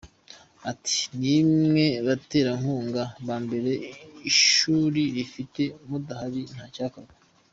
Ati “ni mwe baterankunga ba mbere ishuri rifite, mudahari nta cyakorwa.